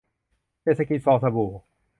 เศรษฐกิจฟองสบู่